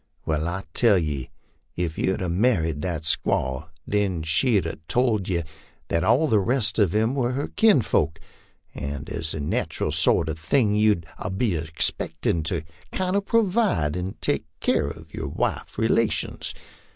Well, I'll tell ye; ef you'd 'a married that squaw, then she'd 'a told yo that all the rest of 'em were her kinfolks, and as a nateral sort of a thing you'd 'a been expected to kind o' provide and take keer of your wife's rela tions.